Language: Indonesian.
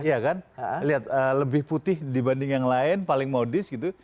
iya kan lihat lebih putih dibanding yang lain paling modis gitu